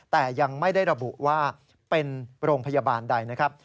แต่ยังไม่ได้ระบุว่าเป็นโรงพยาบาลใดนะครับ